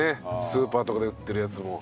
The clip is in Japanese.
スーパーとかで売ってるやつも。